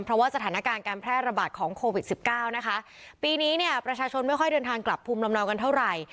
เพราะว่าสถานการณ์การแพร่ระบาดของโควิดสิบเก้านะคะปีนี้เนี่ยประชาชนไม่ค่อยเดินทางกลับภูมิลำเนากันเท่าไหร่